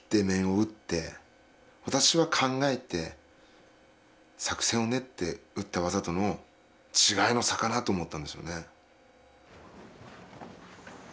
私は考えて作戦を練って打った技との違いの差かなと思ったんですよね。